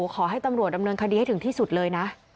ขอให้ตำรวจดำเนินคดีให้ถึงที่สุดเลยนะ